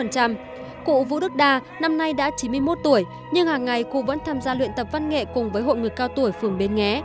cụ vũ đức đa năm nay đã chín mươi một tuổi nhưng hàng ngày cô vẫn tham gia luyện tập văn nghệ cùng với hội người cao tuổi phường bến nghé